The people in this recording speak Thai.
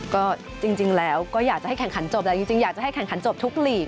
ก็จริงแล้วก็อยากจะให้แข่งขันจบแหละจริงอยากจะให้แข่งขันจบทุกหลีก